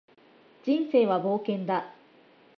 人生は冒険だ